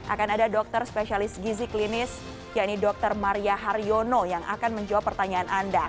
akan ada dokter spesialis gizi klinis yaitu dr maria haryono yang akan menjawab pertanyaan anda